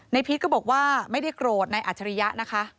พีชก็บอกว่าไม่ได้โกรธนายอัจฉริยะนะคะ